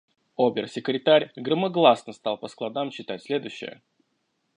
Обер-секретарь громогласно стал по складам читать следующее: